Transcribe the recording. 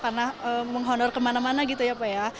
karena menghonor kemana mana gitu ya pak ya